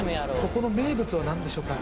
ここの名物は何でしょうか？